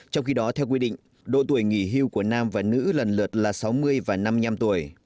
trong khi đó theo quy định độ tuổi nghỉ hưu của nam và nữ lần lượt là sáu mươi và năm mươi năm tuổi